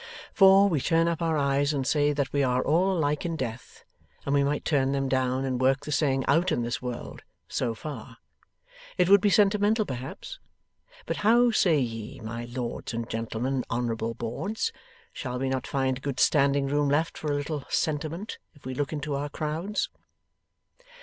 For, we turn up our eyes and say that we are all alike in death, and we might turn them down and work the saying out in this world, so far. It would be sentimental, perhaps? But how say ye, my lords and gentleman and honourable boards, shall we not find good standing room left for a little sentiment, if we look into our crowds?